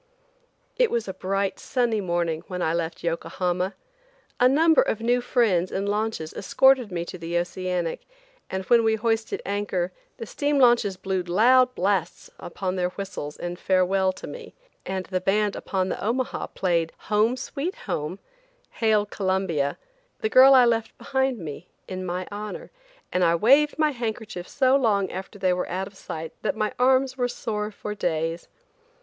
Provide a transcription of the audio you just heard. IT was a bright sunny morning when I left Yokohama. A number of new friends in launches escorted me to the Oceanic, and when we hoisted anchor the steam launches blew loud blasts upon their whistles in farewell to me, and the band upon the Omaha played "Home, Sweet Home," "Hail Columbia," and "The Girl I Left Behind Me," in my honor; and I waved my handkerchief so long after they were out of sight that my arms were sore for days.